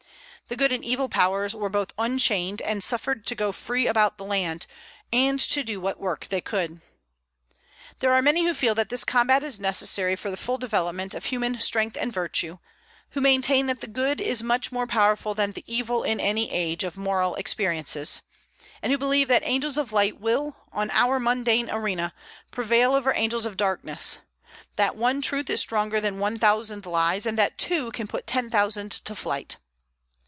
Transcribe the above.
The good and evil powers were both unchained and suffered to go free about the land, and to do what work they could. There are many who feel that this combat is necessary for the full development of human strength and virtue; who maintain that the good is much more powerful than the evil in any age of moral experiences; and who believe that angels of light will, on our mundane arena, prevail over angels of darkness, that one truth is stronger than one thousand lies, and that two can put ten thousand to flight.